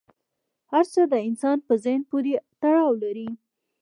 هر څه د انسان په ذهن پورې تړاو لري.